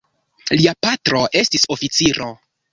Lia patro estis oficiro.